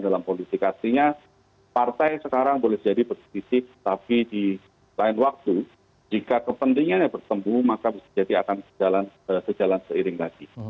dalam politikasinya partai sekarang boleh jadi partisip tapi di lain waktu jika kepentingannya bertemu maka bisa jadi akan berjalan seiring lagi